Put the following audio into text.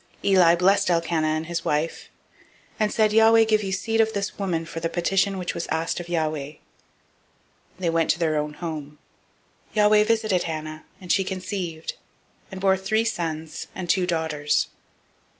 002:020 Eli blessed Elkanah and his wife, and said, Yahweh give you seed of this woman for the petition which was asked of Yahweh. They went to their own home. 002:021 Yahweh visited Hannah, and she conceived, and bore three sons and two daughters.